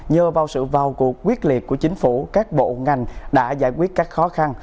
nhờ vào sự vào cuộc quyết liệt của chính phủ các bộ ngành đã giải quyết các khó khăn